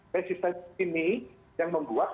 resistensi ini yang membuat